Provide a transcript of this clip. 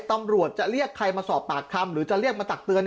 ตำรวจจะเรียกใครมาสอบปากคำหรือจะเรียกมาตักเตือน